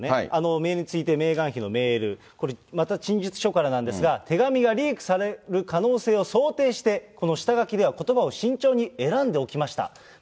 メールについて、メーガン妃のメール、これ、また陳述書からなんですが、手紙がリークされる可能性を想定して、この下書きではことばを慎重に選んでおきました。